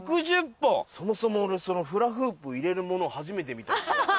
そもそも俺そのフラフープ入れるものを初めて見た。